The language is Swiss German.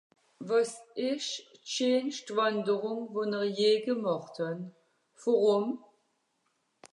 wàs esch d'scheenscht wànderùng wòn'r je gemàcht hàn wàrùm (ou fòrùm)